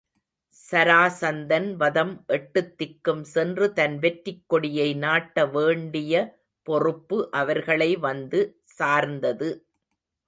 சராசந்தன் வதம் எட்டுத் திக்கும் சென்று தன் வெற்றிக் கொடியை நாட்ட வேண்டிய பொறுப்பு அவர்களை வந்து சார்ந்தது.